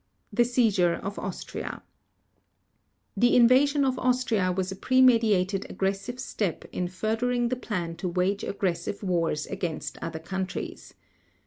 The Seizure of Austria The invasion of Austria was a pre meditated aggressive step in furthering the plan to wage aggressive wars against other countries.